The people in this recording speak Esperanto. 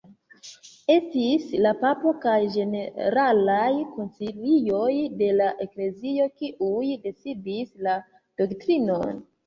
Estis la papo kaj ĝeneralaj koncilioj de la eklezio kiuj decidis la doktrinon.